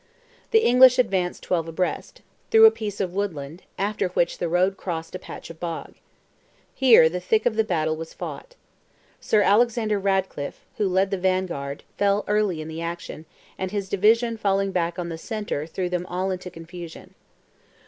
The English advanced twelve abreast, through a piece of woodland, after which the road crossed a patch of bog. Here the thick of the battle was fought. Sir Alexander Radcliffe, who led the vanguard, fell early in the action, and his division falling back on the centre threw them all into confusion.